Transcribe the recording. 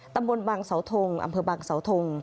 ตำบลบางเสาทงอำเภอบางเสาทง